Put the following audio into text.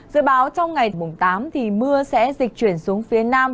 dự báo trong ngày mùng tám mưa sẽ dịch chuyển xuống phía nam